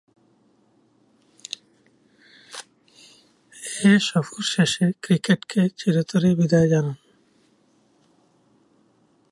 এ সফর শেষে ক্রিকেটকে চিরতরে বিদায় জানান।